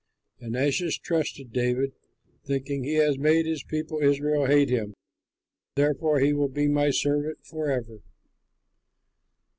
And Achish trusted David, thinking, "He has made his people Israel hate him; therefore he will be my servant forever."